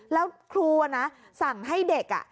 แล้วครูนะสั่งให้เด็ก